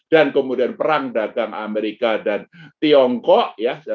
dan kemudian perang dagang amerika dan tiongkok